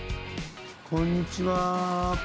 こんにちは。